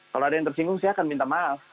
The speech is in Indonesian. kalau ada yang tersinggung saya akan minta maaf